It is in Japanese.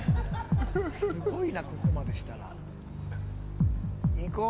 すごいな、ここまでしたら。